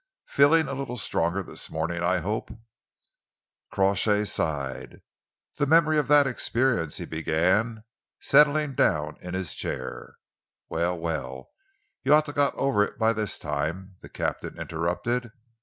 "Feeling a little stronger this morning, I hope?" Crawshay sighed. "The memory of that experience," he began, settling down in his chair, "Well, well, you ought to have got over that by this time," the captain interrupted.